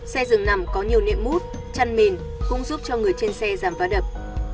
xe rừng nằm có nhiều nệm mút chăn mền cũng giúp cho người trên xe giảm vã đập